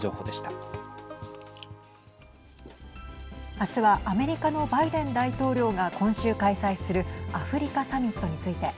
明日はアメリカのバイデン大統領が今週開催するアフリカサミットについて。